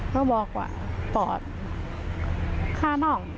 พ่อบอกว่าปอดฆ่านั่ง